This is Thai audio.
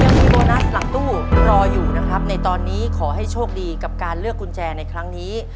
ยังมีโบนัสหลังตู้รออยู่นะครับในตอนนี้ขอให้โชคดีกับการเลือกกุญแจในครั้งนี้